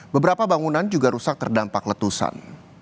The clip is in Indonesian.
beberapa bangunan juga rusak terdampak letusan